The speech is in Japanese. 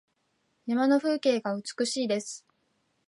山の風景が美しいです。